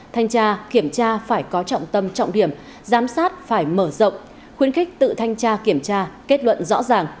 thanh tra kiểm tra phải có trọng tâm trọng điểm giám sát phải mở rộng khuyến khích tự thanh tra kiểm tra kết luận rõ ràng